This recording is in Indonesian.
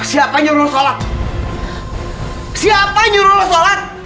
siapa yang nyuruh lo sholat siapa yang nyuruh lo sholat